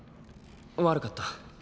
悪かった。